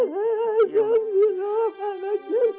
jangan diruam anak jenam rerek